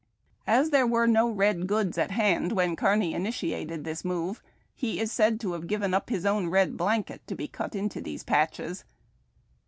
As there were no red goods at hand when Kearny initia ted this move, he is said to have given up his own red blan ket to be cut into these patches.